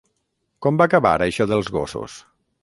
Com va acabar, això dels gossos?